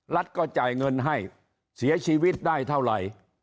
ก็จ่ายเงินให้เสียชีวิตได้เท่าไหร่